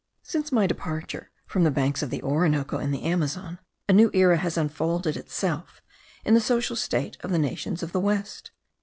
Since my departure from the banks of the Orinoco and the Amazon, a new era has unfolded itself in the social state of the nations of the West.